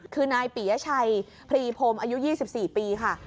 คือนายปียชัยพรีพรมอายุ๒๔ปีค่ะ